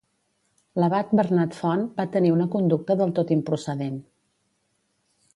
L'abat Bernat Font va tenir una conducta del tot improcedent.